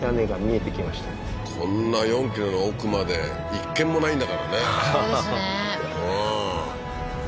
こんな４ｋｍの奥まで一軒もないんだからね